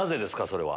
それは。